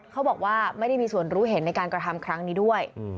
เขาบอกว่าไม่ได้มีส่วนรู้เห็นในการกระทำครั้งนี้ด้วย